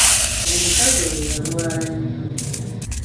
Omukazi oyo yalwala nnyo.